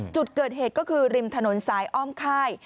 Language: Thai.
จุดเกิดเหตุก็คือริมถนนสายอ้อมค่าย